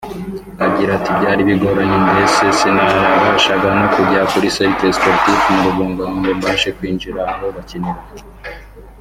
Agira ati “Byari bigoranye mbere sinabashaga no kujya kuri Cercle Sportif mu Rugunga ngo mbashe kwinjira aho bakinira